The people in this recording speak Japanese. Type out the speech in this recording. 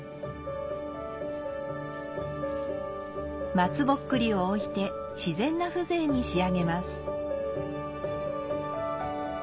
松ぼっくりを置いて自然な風情に仕上げます。